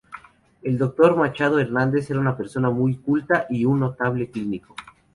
El doctor Machado Hernández era una persona muy culta y un notable clínico.